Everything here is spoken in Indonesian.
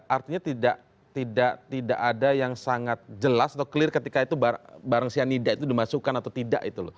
artinya tidak ada yang sangat jelas atau clear ketika itu barang cyanida itu dimasukkan atau tidak itu loh